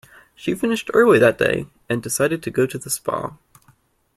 She finished early that day, and decided to go to the spa.